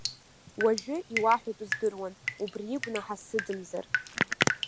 Уажәы иуаҳәатәу здыруан, убри игәнаҳа сыдымзар.